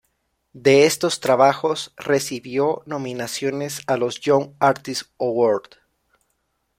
De estos trabajos recibió nominaciones a los Young Artist Award.